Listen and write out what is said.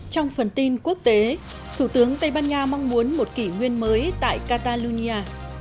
trong phần tin quốc tế thủ tướng tây ban nha mong muốn một kỷ nguyên mới tại catalonia